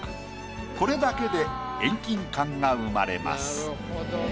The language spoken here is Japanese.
これだけで遠近感が生まれます。